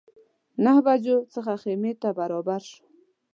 نهه بجو څخه خیمې ته برابر شوو.